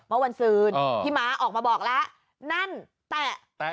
เมื่อวันซืนพี่ม้าออกมาบอกแล้วนั่นแตะ